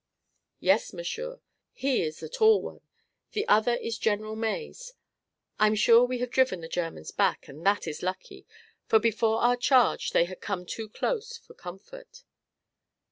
"Yes, monsieur; he is the tall one. The other is General Mays. I'm sure we have driven the Germans back, and that is lucky, for before our charge they had come too close for comfort."